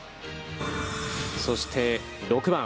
そして、６番。